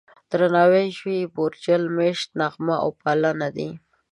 درناوی، ژوي، بورجل، مېشت، نغښته او پالنه دي.